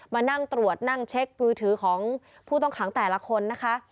มานั่งตรวจนั่งเช็คมือถือของผู้ต้องขังแต่ละคนนะคะ